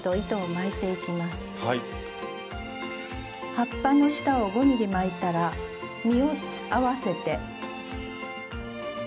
葉っぱの下を５ｍｍ巻いたら実を合わせて。